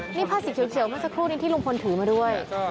นี่นี่พาซเสียวนั้นสักครู่ที่ลุงพลถือมาด้วย